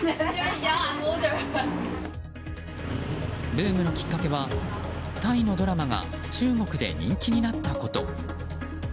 ブームのきっかけはタイのドラマが中国で人気になったこと。